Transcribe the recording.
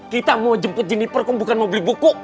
kita mau jemput jeniper kamu bukan mau beli buku